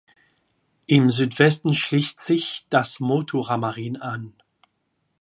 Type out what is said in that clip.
Im Südwesten schließt sich das Motu Ramarin an.